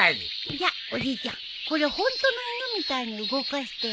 じゃおじいちゃんこれホントの犬みたいに動かしてよ。